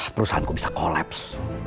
perusahaanku bisa kolaps